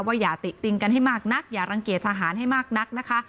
อย่าติติงกันให้มากนักอย่ารังเกียจทหารให้มากนักนะคะ